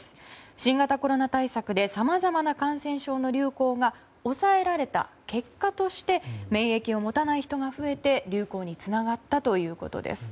新型コロナ対策でさまざまな感染症の流行が抑えられた結果として免疫を持たない人が増えて流行につながったということです。